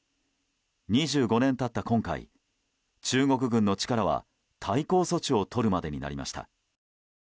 ２５年経った今回中国軍の力は対抗措置をとるまでになりました。